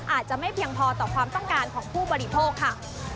อาจจะไม่เพียงพอต่อความต้องการของผู้บริโภคค่ะ